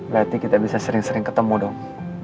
berarti kita bisa sering sering ketemu dong